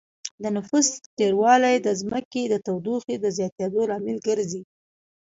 د نفوس ډېروالی د ځمکې د تودوخې د زياتېدو لامل ګرځي